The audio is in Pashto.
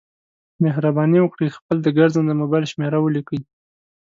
مهرباني وکړئ خپل د ګرځنده مبایل شمېره ولیکئ